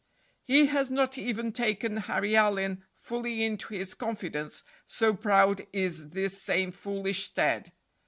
He has not even taken Harry Allyn fully into his confidence, so proud is this same foolish Ted.